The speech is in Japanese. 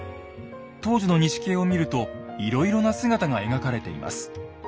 当時の錦絵を見るといろいろな姿が描かれています。